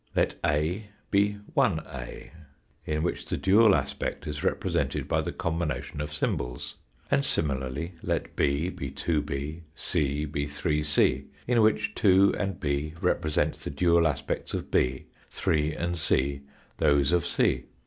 Let a be la in which the dual aspect is represented by the combination of symbols. And similarly let b be 26, c be 3c, in which 2 and b represent the dual aspects of 6, 3 and c those of c.